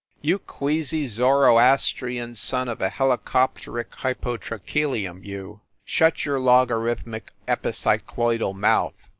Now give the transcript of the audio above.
You queasy Zoroastrian son of a heli copteric hypotrachelium, you, shut your logarithmic epicycloidal mouth!